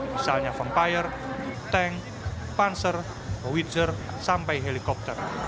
misalnya vampire tank pancer wizard sampai helikopter